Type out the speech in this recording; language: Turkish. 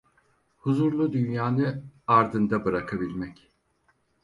Huzurlu dünyanı ardında bırakabilmek…